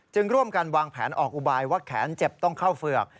ร่วมกันวางแผนออกอุบายว่าแขนเจ็บต้องเข้าเฝือก